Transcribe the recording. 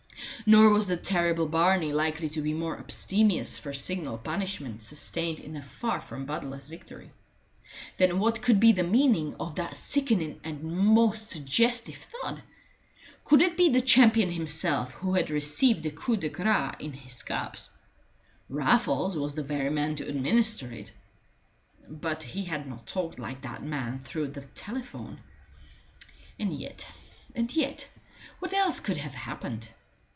Nor was the terrible Barney likely to be more abstemious for signal punishment sustained in a far from bloodless victory. Then what could be the meaning of that sickening and most suggestive thud? Could it be the champion himself who had received the coup de grâce in his cups? Raffles was the very man to administer it but he had not talked like that man through the telephone. And yet and yet what else could have happened?